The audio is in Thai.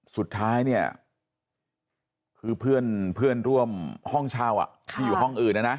สุดท้ายเนี่ยคือเพื่อนร่วมห้องเช่าที่อยู่ห้องอื่นนะนะ